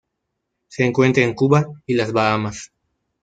Se encuentra en Cuba y las Bahamas.